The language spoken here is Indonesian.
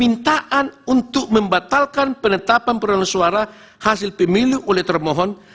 mintaan untuk membatalkan penetapan permohonan suara hasil pemilih oleh permohon